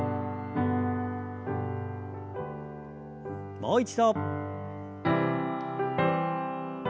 もう一度。